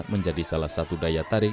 menjadi salah satu daerah yang menarik